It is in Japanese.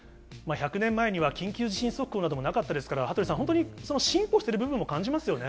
１００年前には緊急地震速報などもなかったですから、羽鳥さん、本当に進歩している部分も感じますよね。